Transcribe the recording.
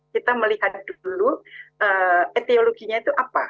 kita melihat dulu etiologinya itu apa